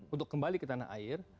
untuk kembali ke tanah air